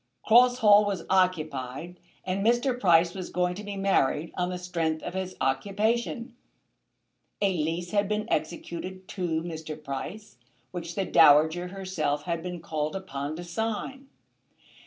Cross Hall was occupied, and Mr. Price was going to be married on the strength of his occupation. A lease had been executed to Mr. Price, which the Dowager herself had been called upon to sign.